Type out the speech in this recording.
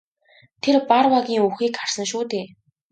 Та Барруагийн үхэхийг харсан шүү дээ?